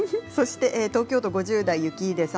東京都５０代の方です